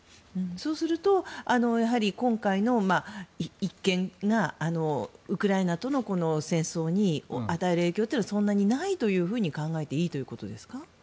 そうすると今回の１件がウクライナとの戦争に与える影響はそんなにないと考えていいですか？